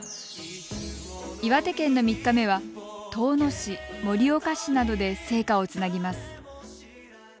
岩手県の３日目は遠野市盛岡市などで聖火をつなぎます。